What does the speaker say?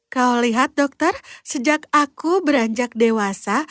kau lihat dokter sejak aku beranjak dewasa